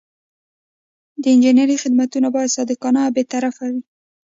د انجینر خدمتونه باید صادقانه او بې طرفه وي.